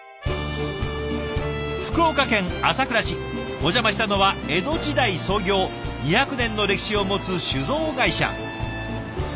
お邪魔したのは江戸時代創業２００年の歴史を持つ酒造会社。